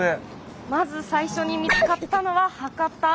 まず最初に見つかったのは博多。